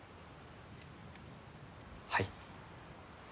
はい。